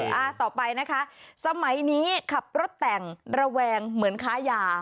อ่าต่อไปนะคะสมัยนี้ขับรถแต่งระแวงเหมือนค้ายา